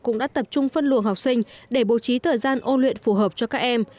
cũng đã tập trung phân luồng học sinh để bố trí thời gian ôn luyện phù hợp cho các em